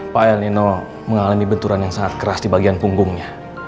pak el nino mengalami benturan yang sangat keras di bagian punggungnya